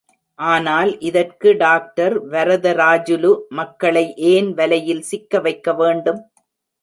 ஆனால், இதற்கு டாக்டர் வரதராஜுலு, மக்களை ஏன் வலையில் சிக்க வைக்க வேண்டும்?